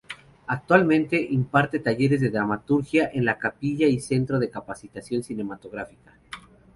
Actualmente, imparte talleres de dramaturgia en La Capilla y el Centro de Capacitación Cinematográfica.